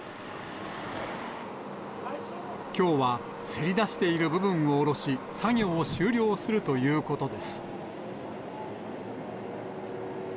きょうはせり出している部分を下ろし、作業を終了するということです。